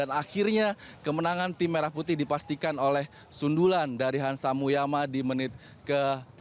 akhirnya kemenangan tim merah putih dipastikan oleh sundulan dari hansa muyama di menit ke tujuh belas